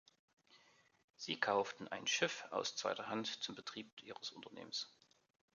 Sie kauften ein Schiff aus zweiter Hand zum Betrieb ihres Unternehmens.